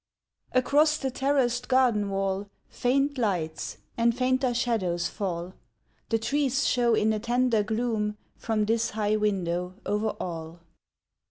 ft CROSS the terraced garden wall Faint lights, and fainter shadows fall, The trees show in a tender gloom From this high window over all.